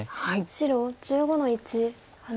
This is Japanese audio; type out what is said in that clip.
白１５の一ハネ。